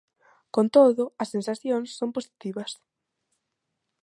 Con todo, as sensacións son positivas.